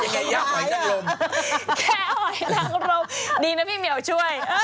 แกล้หอยนังลมดีนะพี่หมี่เอาช่วย